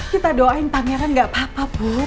kita doain pangeran gak apa apa bu